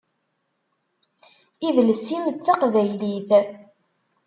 Idles-im d taqbaylit.